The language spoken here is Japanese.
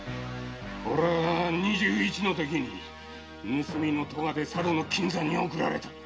おれは二十一のときに盗みの科で佐渡の金山に送られた。